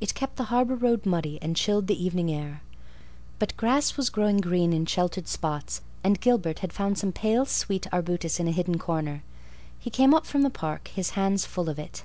It kept the harbor road muddy, and chilled the evening air. But grass was growing green in sheltered spots and Gilbert had found some pale, sweet arbutus in a hidden corner. He came up from the park, his hands full of it.